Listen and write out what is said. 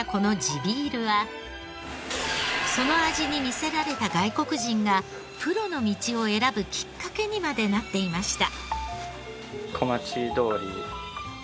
ビールはその味に魅せられた外国人がプロの道を選ぶきっかけにまでなっていました。